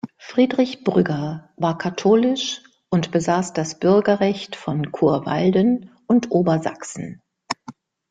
Friedrich Brügger war katholisch und besass das Bürgerrecht von Churwalden und Obersaxen.